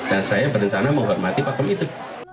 dan saya berencana menghormati pakam itu